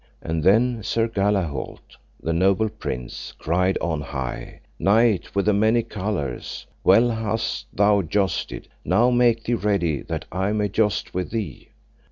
And then Sir Galahault, the noble prince, cried on high: Knight with the many colours, well hast thou jousted; now make thee ready that I may joust with thee.